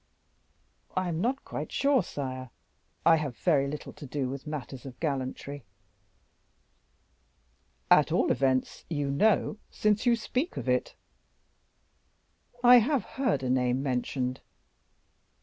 "I am not quite sure, sire; I have very little to do with matters of gallantry." "At all events you know, since you speak of it." "I have heard a name mentioned."